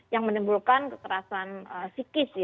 yang menimbulkan keterasan psikis